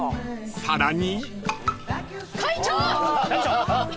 ［さらに］